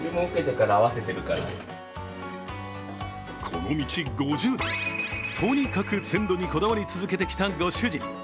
この道５０年、とにかく鮮度にこだわり続けてきたご主人。